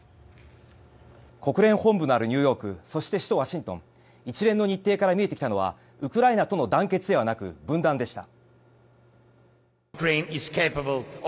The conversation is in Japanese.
国連本部のあるニューヨークそして、首都ワシントン一連の日程から見えてきたのはウクライナとの団結ではなく分断でした。